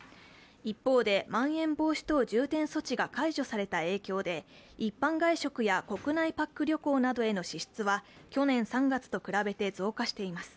一方で、まん延防止等重点措置が解除された影響で一般外食や国内パック旅行などへの支出は去年３月と比べて増加しています。